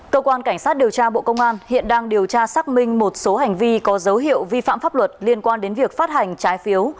cơ quan cảnh sát điều tra bộ công an hiện đang điều tra xác minh một số hành vi có dấu hiệu vi phạm pháp luật liên quan đến việc phát hành trái phiếu